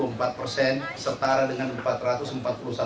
menteri amran sulaiman